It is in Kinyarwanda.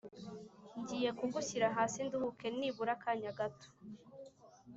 ngiye kugushyira hasi nduhuke nibura akanya gato